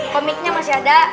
komiknya masih ada